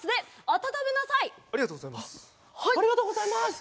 ありがとうございます。